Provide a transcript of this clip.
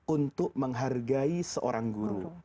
untuk menghargai seorang guru